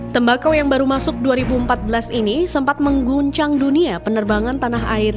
tembakau yang baru masuk dua ribu empat belas ini sempat mengguncang dunia penerbangan tanah air